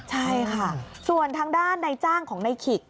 ใช่ค่ะส่วนทางด้านในจ้างของในขิก